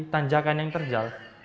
tanjakan yang terjal